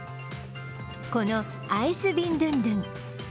このアイスビンドゥンドゥン。